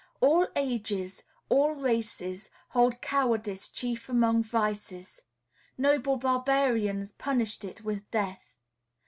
All ages, all races, hold cowardice chief among vices; noble barbarians punished it with death.